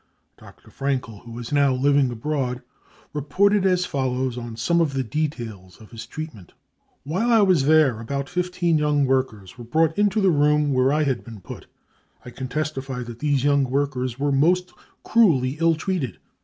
Dr. Fraenkel, who is now living abroad, reported as follows on some of the details of his treat ment :^ cc While I was there aiout 15 young workers were brought into the room where I had been put. I can testify that these young workers were most cruelly ill treated.